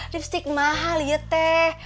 lipstick mahal ya teh